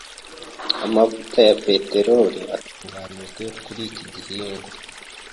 Amavuta ya peteroli atunganijwe kuri iki gihingwa.